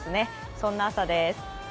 そんな朝です。